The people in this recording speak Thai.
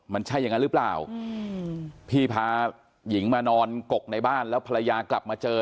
มันใช่อย่างนั้นหรือเปล่าพี่พาหญิงมานอนกกในบ้านแล้วภรรยากลับมาเจอ